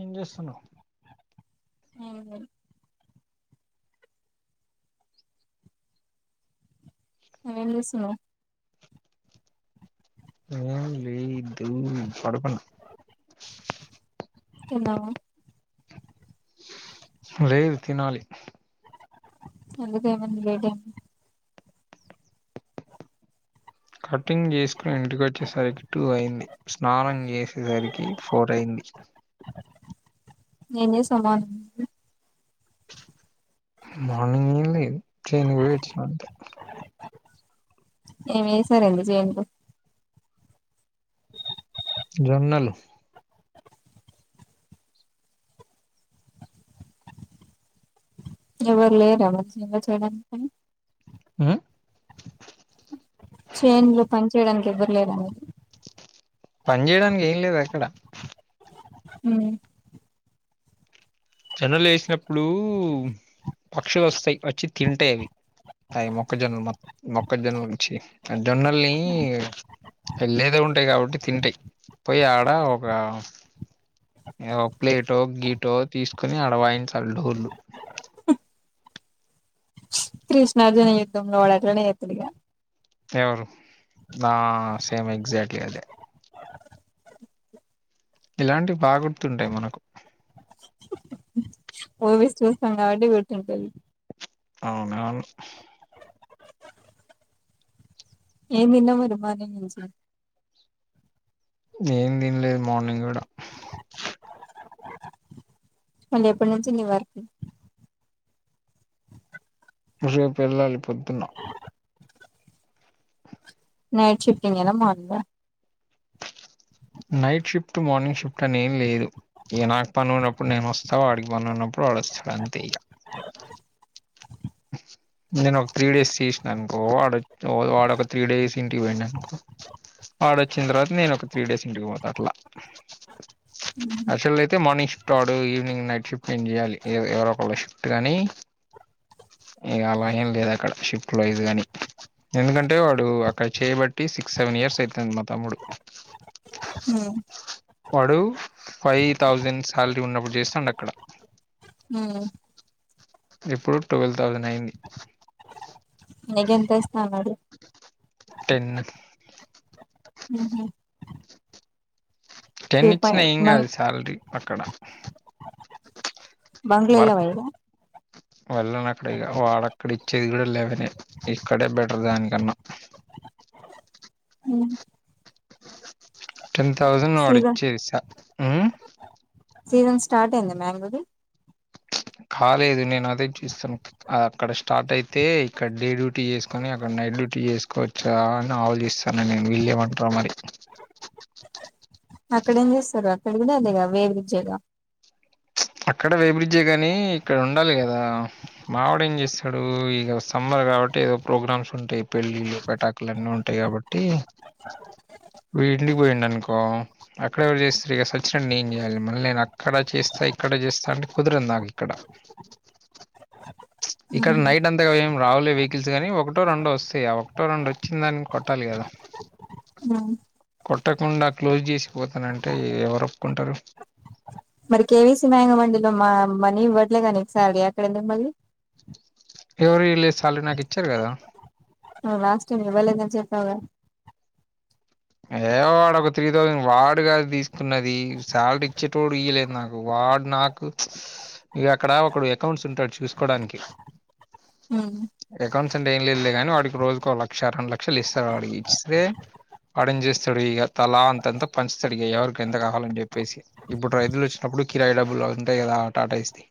ఏం చేస్తున్నావ్ హ్మ్మ్ నువ్వేం చేస్తున్నావ్ ఏం లేదు పడుకున్నా తిన్నావా లేదు తినాలి ఎందుకు ఏమైంది లేట్ అయిం కటింగ్ చేసుకుని ఇంటికి వచ్చేసరికి టూ అయింది స్నానం చేసేసరికి ఫోర్ అయింది ఏం చేస్తున్నావ్ యా మార్నింగ్ న లేదు చేనికి పోయి వచ్చినా అంతే ఏమి ఏసారండి చేనులో జొన్నలు ఎవరు లేరా మరి చేనులో చేయడానికి పని హ్మ్మ్ చేనులో పని చేయడానికి ఎవ్వరు లేరా పని చేయడానికి ఏం లేదు ఎక్కడ హ్మ్మ్ జొన్నలు ఎసినప్పుడు పక్షులు వస్తాయి వచ్చి తింటాయి అవి అయి మొక్కజొన్నల్ మొక్క జొన్నల్ చ్చీ జొన్నల్ని లేదే ఉంటాయి కాబట్టి తింటాయి పోయి ఆడ ఒక ఇంకా ప్లేటో గీటో తీసుకొని అడవాయించాలి డోర్ళు కృష్ణార్జున యుద్ధంలో వాడు అట్లనే చేతడుగా ఎవరు నా సేమ్ ఎక్జాక్ట్లీ అదే ఇలాంటివి బాగుర్తుంటాయి మనకు మూవీస్ చూస్తుం కాబట్టి గుర్తుంటాయి అవునవును ఏమి తిన్నావ్ మరి మార్నింగ్ నుంచి ఏం తిన్లేదు మార్నింగ్ కూడా మళ్ళీ ఎప్పటి నుంచి నీవార్క్ రేపు వెళ్ళాలి పొద్దున్న నైట్ షిఫ్టింగ్ గేనా మార్నింగ్ ఆ నైట్ షిఫ్ట్ మార్నింగ్ షిఫ్ట్ అని లేదు ఈ నాకు పని ఉన్నప్పుడు నేను వస్తావు వాడికి పని ఉన్నప్పుడు వాడు వస్తాడు అంతే ఇగా నేను ఒక త్రీ డేస్ తీసానుకో వాడ వాడొ ఒక త్రీ డేస్ ఇంటికి పోయిండుఅనుకో వాడొచ్చిన తర్వాత నేను ఒక త్రీ డేస్ ఇంటికి పోతా అట్లా అసలేప్ అయితే మార్నింగ్ షిఫ్ట్ ఆడు ఈవినింగ్ నైట్ షిఫ్ట్ ఏం చేయాలి ఎవరోొ ఒకళ్ళ షిఫ్ట్ కానీ ఇగా అలా ఏం లేదు అక్కడ షిఫ్ట్ వైజ్ గానీ ఎందుకంటే వాడు అక్కడ చేయబట్టి సిక్స్ సెవెన్ ఇయర్స్ అయితుంది మా తమ్ముడు హ్మ్మ్ వాడు ఫైవ్ థౌజండ్ శాలరీ ఉన్నప్పుడు చేస్తుండా అక్కడ హ్మ్మ్ ఇప్పుడు ట్వెల్వ్ థౌసండ్ అయింది నీకేం తెస్తా అన్నాడు టెన్ హహ టెన్ ఇచ్చినా పాయింట్ ఏం కాదు బంక్ శాలరీ అక్కడ బండ్లో ఏళ్ళవ ఈడ వెళ్ళనక్కడ ఇగ వాడక్కడిచ్చేది కూడా లేవనే ఇక్కడే బెటర్ దానికన్నా ఉమ్ టెన్ థౌసండ్ సీజన్ వాడిచ్చేది సా ఉమ్, సీజన్ స్టార్ట్ అయింది మ్యాంగోది కాలేదు నేను అదే చూస్తాను అక్కడ స్టార్ట్ అయితే ఇక్కడ డే డ్యూటీ చేసుకొని అక్కడ నైట్ డ్యూటీ చేసుకోవచ్చా అని ఆలోచిస్తాను నేను వీళ్ళేమంటరో మరి అక్కడేం చేస్తారు అక్కడ కూడా అదేగా వేరు బ్రిడ్జే గా అక్కడ వే బ్రిడ్జే గాని ఇక్కడ ఉండాలి కదా మావిడ ఏం చేస్తాడు ఇక సమ్మర్ కాబట్టి ఏదో ప్రోగ్రామ్స్ ఉంటాయి పెళ్ళిళ్లు పేటాకులు అన్నీ ఉంటాయి కాబట్టి వి ఇడ్లీకి పోయిండనుకో అక్కడ ఎవరు చేస్తారు ఇగ సచ్చినట్టు నేన్ చేయాలి మళ్ళీ నేను అక్కడ చేస్తా ఇక్కడ చేస్తా అంటే కుదర నాకు ఇక్కడ ఇక్కడ నైట్ అంతగా ఏం రావలే వెహికల్స్ గానీ ఒకటో రెండో వస్తాయి ఇగ ఒకటో రెండు వచ్చింది దాని కొట్టాలి కదా కొట్టకుండా క్లోజ్ చేసిపోతానంటే ఎవరు ఒప్పుకుంటారు మరి కేవీసీ మేంగమండి లో మా మనీ ఇవ్వట్లే గా నీకు సాలరీ అక్కడెందుకు పోయినవ్ మళ్ళీ ఎవరు ఈ లేదు సాలరీ నాకు ఇచ్చారు కదా నువు లాస్ట్ టైమ్ ఇవ్వలేదని చెప్పవ్ గా ఏ వాడు ఒక త్రీ థౌసండ్ వాడు కాదు తీసుకున్నది శాలరీ ఇచ్చేటోడు ఇయలేదు నాకు వా వాడ్ నాకు ఇగ అక్కడా ఒకడు అకౌంట్స్ ఉంటాడు చూసుకోడానికి మ్ వాడు అకౌంట్స్ అంటే ఏం లేదులే కాని వాడికి రోజుకో లక్ష రెండు లక్షలు ఇస్తారు వాడికి ఇస్తే ఆడం చేేస్తాడు ఇగ తలా అంతంతా పంచుతాడు ఇగ ఎవరికి ఎంత కావాలని చెప్పేసి ఇప్పుడు రైతులు వచ్చినప్పుడు కిరాయ డబ్బుల్ ఉంటాయ్ కద టాటాయిస్ ది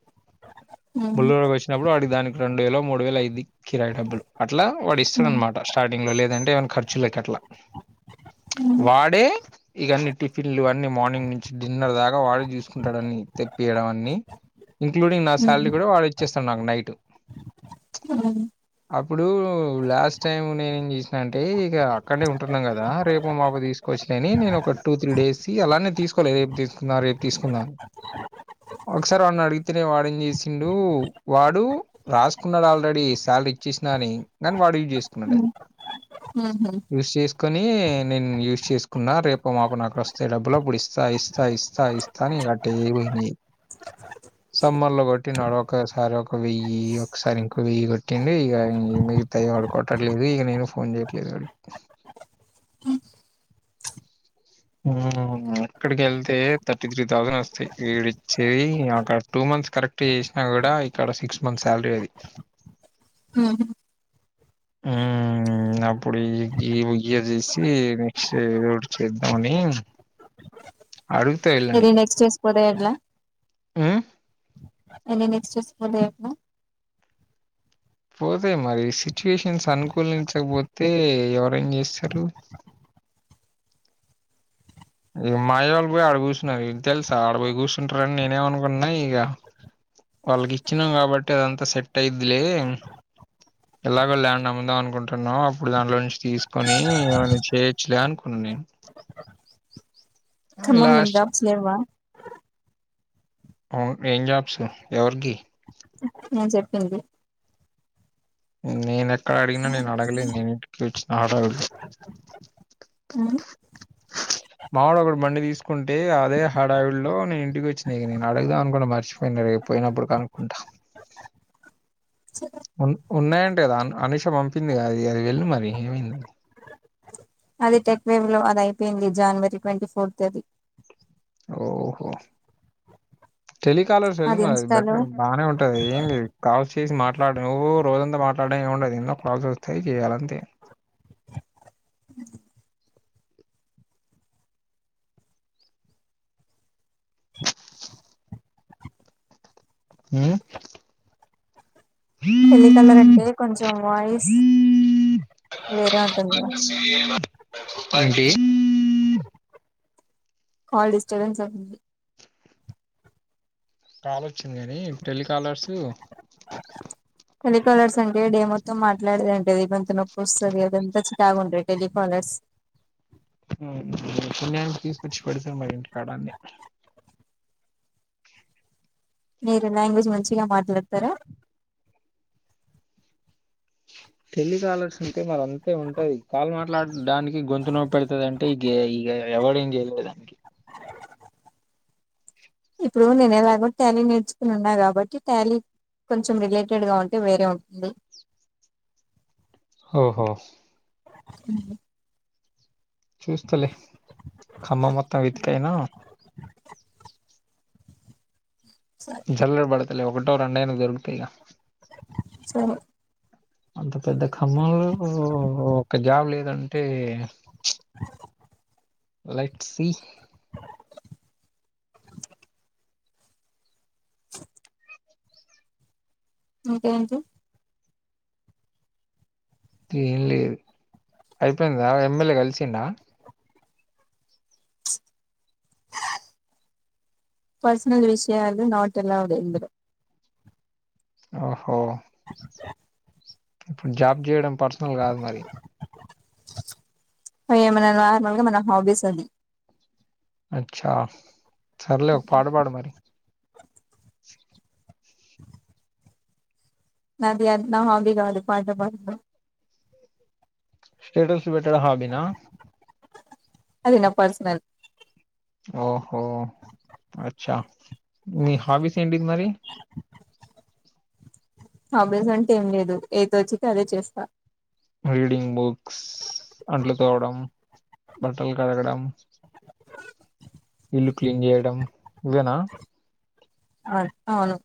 బిలేరో వచ్చినప్పుడు వాడి దనికి రెండు వేలో మూడు వేలో అయిద్ది కిరాయి డబ్బులు అట్ల వాడి ఇస్తాడన్నమాట స్టార్టింగ్ లో లేదంటే ఏమైనా ఖర్చులకి అట్లా వాడే ఇగన్ని టిఫిన్లు ఇవన్నీ మార్నింగ్ నుంచి డిన్నర్ దాకా వాడే చూసుకుంటాడన్ని పియడం అన్ని ఇంక్లూడింగ్ నా శాలరీ కూడా వాడే ఇచ్చేస్తాడు నాకు నైట్ అప్పుడు లాస్ట్ టైం నేను ఏం చేసినాంటే ఇక అక్కడ్నే ఉంటారు కదా రేపో మాపో తీసుకొచ్చినని నేను ఒక టూ త్రీ డేస్ అలానే తీసుకోలే రేపు తీసుకున్నా రేపు తీసుకున్నా న్నాన్ ఒకసారి వాన్ను అడిగితేనే వాడేం చేసిండు వాడు రాసుకున్నాడు ఆల్రెడీ వాళ్ళ ఇచ్చేసినా అని దాని వాడు చేసుకున్నాడు అది హహ కొని నేను యూస్ చేసుకున్నా రేపు మాపో నాకొస్తాయి డబ్బులు అప్పుడు ఇస్తా ఇస్తా ఇస్తా ఇస్తా అని ఇంకా అట్టే పోయినాయి సమ్మర్ లో కొట్టినాడు ఒకసారి ఒక వెయ్యి ఒకసారి ఇంకో వెయ్యి కొట్టిండు ఇగ ఇమే తయ్ వాడు కొట్టట్లేదు ఇక నేను ఫోన్ చేయట్లేదు వాడికి మ్ ఇక్కడికి వెళ్తే థర్టీ త్రీ థౌసండ్ వస్తాయి వీడిచ్చేది అక్కడ టూ మంత మంత్స్ కరెక్ట్ చేసినా కూడా ఇక్కడ సిక్స్ మంత్ సాలరీ అది మ్ హు మ్ మ్ అప్పుడు ఈ గి చేసి నెక్స్ట్ ఇయర్ ఏదోటి చేసి అని ఇది నెక్స్ట్ ఏస్ పోతే ఎట్లా ఆ అ నెక్స్ట్ పోతాదేమో పోతాయి మరి సిచ్యువేషన్స్ అనుకూలించకపోతే ఎవరేం చేస్తారు ఇక మా అయ్య వాళ్ళు పోయి ఆడ కూర్చున్నారు ఇ తెలుసా ఆడ పోయి కూర్చుంటారని నేనే మనుకుంటున్నా ఇగ వాళ్ళకి ఇచ్చినాం కాబట్టె అదంతా సెట్ అయిందిలే ఎలాగో ల్యాండ్ అమ్ముదాం అనుకుంటున్నాం అప్పుడు దాంట్లో నుంచి తీసుకొని ఏమైనా చేయచ్చులే అనుకున్నాను నేను ఖమ్మం ల ఏం లాస్ట్ జాబ్స్ లెవ్వా అవును ఏం జాబ్స్ ఎవరికి నేను చెప్పింది నేనెక్కడ అడిగినా నేను అడగలే నేను ఇంటికి వచ్చిన అడగదు మా వోడు ఒకడు బండి తీసుకుంటే అదే హడా విడిలో నేను ఇంటికి వచ్చినా ఇగ నేను అడుగుదామనుకున్న మర్చిపోయిన అరే పోయినప్పుడు కనుక్కుంటా ఉన్న ఉన్నాయంట కదా అను అనూష పంపింది అది అది వెళ్లు మరి ఏమైందని అది టెక్ వేవ్ లో అది అయిపోయింది జనవరి ట్వంటీ ఫోర్త్ అది ఓహో టెలికాలర్స్ వెళ అది మ ఇన్స్టాలో బెటర్ బానే ఉంటది ఏం లేదు కాల్స్ చేసి మాట్లాడమే ఓ రోజంతా మాట్లాడడం ఏం ఉండదు ఎన్నో కాల్స్ వస్తాయి చేయాలి అంతె అ టెలికాలర్ అంటే కొంచెం వాయిస్ వేరే ఉంటుంది ఇగ అండి కాల్ డిస్టర్బెన్స్ అవుతుంది కాల్ వచ్చింది గానీ టెలి కాలర్సు టెలికాలర్స్ అంటే డే మొత్తం మాట్లాడేదే ఉంటది గొంతు నొప్పో స్తది అదంతాలాగు ఉంటాయి టెలికాలర్స్ సన్యానికి తీసుకొచ్చి పెడిసారు మరి ఇంటి కాడాన్ని మీరు లాంగ్వేజ్ మంచిగా మాట్లాడతారా ఉ టెలి కాలర్స్ ఉంటే మరి అంతే ఉంటది కాల్ మాట్లాడడానికి గొంతు నో పెడుతది అంటే ఇ ఇగ ఎవడెం చేయలేడు కదా ఇప్పుడు నేనేలాగం టాలీ నేర్చుకునిన్నా కాబట్టి టాలి కొంచెం రిలేటెడ్ గా ఉంటే వేరే ఉంటది ఓహో అ చూస్తలే ఖమ్మం మొత్తం వెతికయినా జల్లడ పడతలే ఒకటో రెండైన దొరుకుతాయి గ సో అంత పెద్ద ఖమ్మంలో ఒక్క జాబ్ లేదంటే అ లెట్స్ సి ఇంకేంటి ఏం లేదు అయిపోయిందా ఎమ్మెల్యే కలిసిండా పర్సనల్ విషయాలు నాట్ అల్లఓడ్ ఇందులో ఓహో ఇప్పుడు జాబ్ చేయడం పర్సనల్ కాదు మరి అ మన నార్మల్గా మన హాబీస్ అది జాబ్ సర్లే ఒక పాట పాడు మరి నది అ నా హాబి కాదు పాట పాడడం స్టేటస్లు పెట్టడం హాబి నా అది నా పర్సనల్ ఓహో అచ్చా మీ హావిస్ ఏంటి మరి హాబీస్ అంటేం లేదు ఏదోచ్చితె అదే చేస్త రీడింగ్ బుక్స్, అంట్లు తోమడం, బట్టలు కడగడం ఇల్లు క్లీన్ జేయ్డం ఇవేనా అన్ ఔను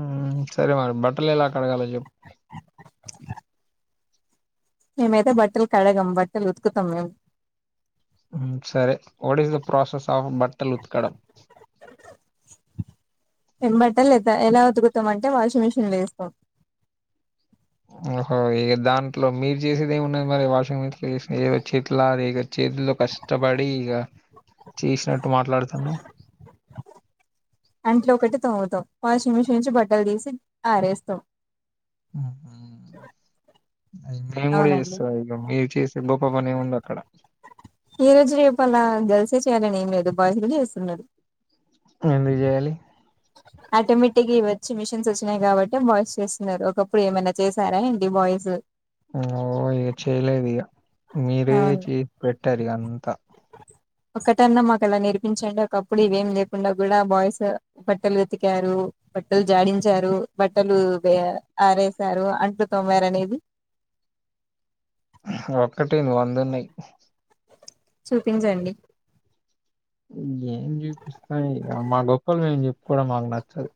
ఉమ్ సరే మరి బట్టలు ఎలా కడగాలో జెప్ మేమైతె బట్టలు కడగాం బట్టలు ఉతుకుతం మేమ్ మ్ సరే what is the process of బట్టల్ ఉత్కడం ఏం బట్టలేత ఎలా ఉతుకుతమంటే వాషింగ్ మిషన్లో ఏస్తం ఓహో! ఇగ దాంట్లో మీరు చేతిలాద ఇగ చేతుల్లో కష్టపడి ఇగ చేస్న ట్టు మాట్లాడ్తున్నవ్ అంట్లో ఒకటి తోముతం వాషింగ్ మిషిన్ నుంచి బట్టలు తీసి ఆరేస్తం ఉహు నేన్ గుడా అవునండి చేస్తా ఇగ మీరు చేసే గొప్ప పనేంముంది అక్కడ ఈ రోజు రేపు అలా గర్ల్సే చేయాలని ఏం లేదు బాయ్స్ గుడా చేస్తున్నరు ఎందుకు జేయలి ఆటోమేటిక్గా ఇవి ఒచ్చి మిషిన్స్ ఒచ్చినాయి గాబట్టి బాయ్స్ చేస్సున్నారు ఒకప్పుడు ఏమైనా చేసారా ఏంటి బాయ్స్ ఓ ఇగ చేయలేదు ఇగ మీరే అవును చేసి పెట్టారిగ అంత ఒకటన్నా మాకు అలా నేర్పించండి ఒకప్పుడు ఇవేం లేకుండా గుడా బాయ్స్ బట్టలు వెతికారు బట్టలు జాడించారు, బట్టలు వె ఆరేసారు, అంటు తొమారు అనేది హ ఒక్కటె వందున్నయ్ చూపించండి ఏం చూపిస్తామ్ ఇగ మా గొప్పలు మేమ్ జెప్పుకోడం మాక్ నచ్చదు